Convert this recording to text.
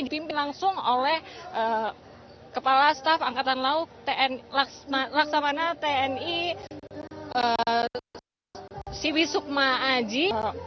dipimpin langsung oleh kepala staf angkatan laut laksamana tni siwi sukma aji